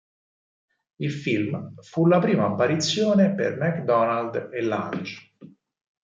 Il film fu la prima apparizione per MacDonald e Lange.